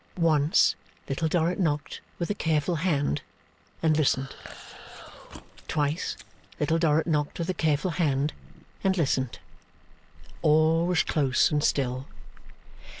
Once, Little Dorrit knocked with a careful hand, and listened. Twice, Little Dorrit knocked with a careful hand, and listened. All was close and still.